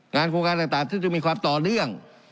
โครงการต่างซึ่งจะมีความต่อเนื่อง